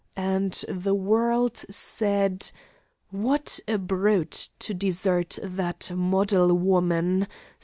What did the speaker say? And the world said: 'What a brute to desert that model woman!